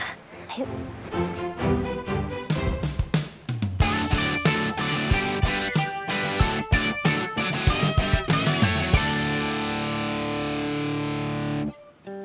aduh aku bisa